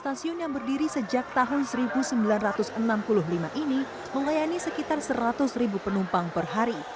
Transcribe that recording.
stasiun yang berdiri sejak tahun seribu sembilan ratus enam puluh lima ini melayani sekitar seratus ribu penumpang per hari